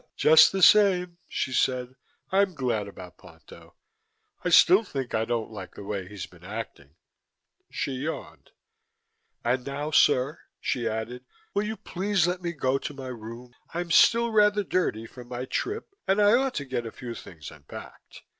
"Just the same," she said, "I'm glad about Ponto. I still think I don't like the way he's been acting." She yawned. "And now, sir," she added, "will you please let me go to my room. I'm still rather dirty from my trip and I ought to get a few things unpacked.